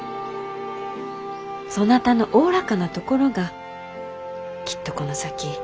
そなたのおおらかなところがきっとこの先殿の助けになろう。